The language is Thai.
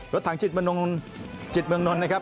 รถถังจิตเมืองนลนะครับ